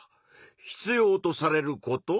必要とされること？